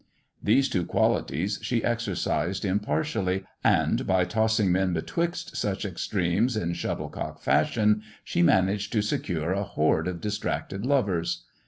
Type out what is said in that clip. These two qualities she exercised impartially, and by tossing men betwixt such extremes in shuttlecock fashion she managed to secure a horde of distracted lovers.